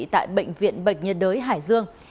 tại bệnh viện bệnh nhân đới hải dương